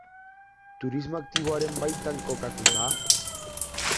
Turismo aktiboaren baitan kokatzen da?